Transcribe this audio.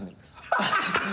アハハハ！